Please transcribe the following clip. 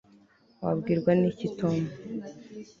wabwirwa n'iki tom